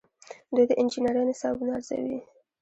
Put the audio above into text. دوی د انجنیری نصابونه ارزوي.